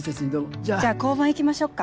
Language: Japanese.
じゃあ交番行きましょっか。